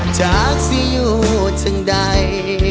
จากสิอยู่ถึงใด